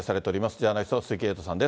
ジャーナリストの鈴木エイトさんです。